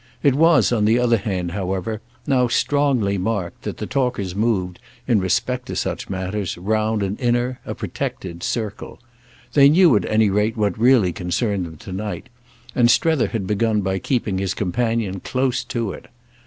It was on the other hand, however, now strongly marked that the talkers moved, in respect to such matters, round an inner, a protected circle. They knew at any rate what really concerned them to night, and Strether had begun by keeping his companion close to it.